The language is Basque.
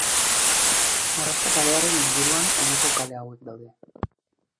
Moraza kalearen inguruan honako kale hauek daude.